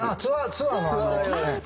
ツアーの。